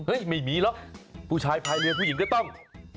ไม่มีหรอกผู้ชายภายเรือผู้หญิงก็ต้อง